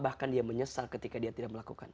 bahkan dia menyesal ketika dia tidak melakukan